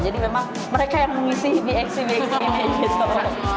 jadi memang mereka yang mengisi bxc bxc ini gitu